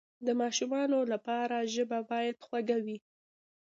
د ماشومانو لپاره ژبه باید خوږه وي.